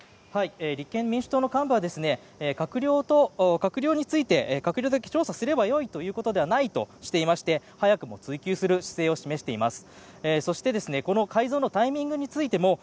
立憲民主党の幹部は閣僚と閣僚について閣僚だけ調査すればよいというわけではないとしていまして早くも追及する姿勢を示しています。